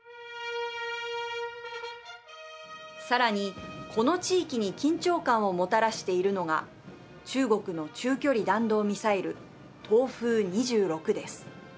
さらに、この地域に緊張感をもたらしているのが中国の中距離弾道ミサイル東風２６です。